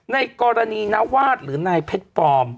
ในกรณีนวาดหรือนายเพชรปลอม